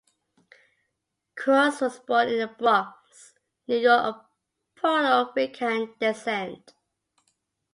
Cruz was born in The Bronx, New York of Puerto Rican descent.